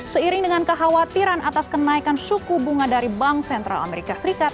seiring dengan kekhawatiran atas kenaikan suku bunga dari bank sentral amerika serikat